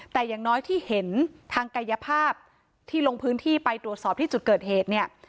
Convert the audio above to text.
แต่อย่างน้อยที่เห็นทางกายภาพที่ลงพื้นที่ไปตรวจสอบที่จุดเกิดเหตุเนี่ย